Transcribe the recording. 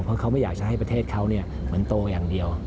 เพราะเขาไม่อยากจะให้ประเทศเขาเหมือนโตอย่างเดียว